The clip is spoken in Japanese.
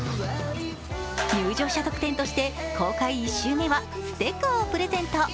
入場者特典として公開１週目はステッカーをプレゼント。